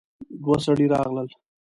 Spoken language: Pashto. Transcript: دوه سړي راغلل.